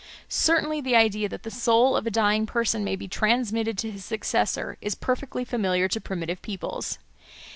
Certainly the idea that the soul of a dying person may be transmitted to his successor is perfectly familiar to primitive peoples.